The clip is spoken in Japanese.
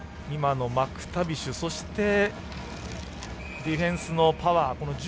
今のマクタビシュそして、ディフェンスのパワー。